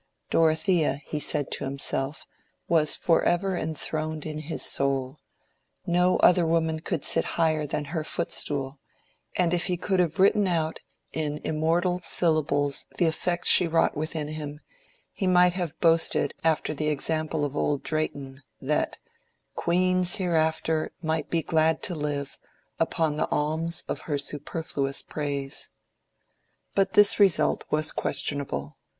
Dorothea, he said to himself, was forever enthroned in his soul: no other woman could sit higher than her footstool; and if he could have written out in immortal syllables the effect she wrought within him, he might have boasted after the example of old Drayton, that,— "Queens hereafter might be glad to live Upon the alms of her superfluous praise." But this result was questionable.